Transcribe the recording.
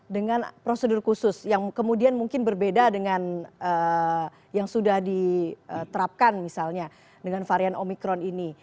dengan prosedur khusus yang kemudian mungkin berbeda dengan yang sudah diterapkan misalnya dengan varian omikron ini